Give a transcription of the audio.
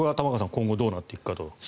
今後どうなっていくかと。